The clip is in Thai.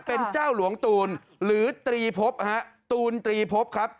เป็นเจ้าหลวงตูนหรือตรีพบฮะตูนตรีพบครับ